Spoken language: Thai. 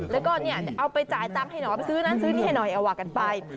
แล้วก็เอาไปจ่ายตังค์ให้หนอไปซื้อนั้นซื้อนี่ให้หน่อยเอาว่ากันไป